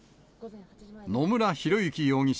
野村広之容疑者